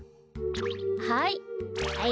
はい。